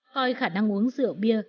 coi khả năng uống rượu bia